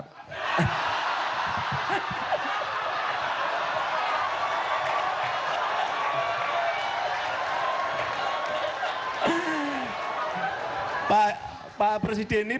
pak pak presiden ini